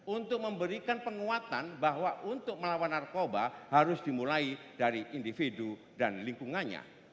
untuk memberikan penguatan bahwa untuk melawan narkoba harus dimulai dari individu dan lingkungannya